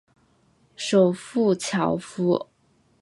首府焦夫。